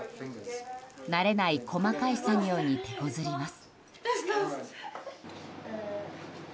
慣れない細かい作業にてこずります。